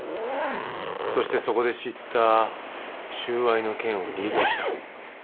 そしてそこで知った収賄の件をリークした。